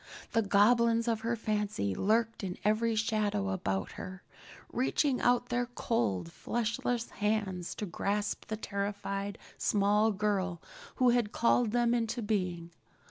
The goblins of her fancy lurked in every shadow about her, reaching out their cold, fleshless hands to grasp the terrified small girl who had called them into being.